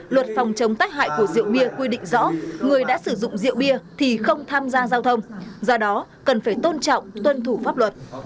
luật phòng chống tác hại của rượu bia quy định rõ người đã sử dụng rượu bia thì không tham gia giao thông do đó cần phải tôn trọng tuân thủ pháp luật